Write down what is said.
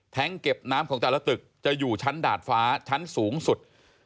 เก็บน้ำของแต่ละตึกจะอยู่ชั้นดาดฟ้าชั้นสูงสุด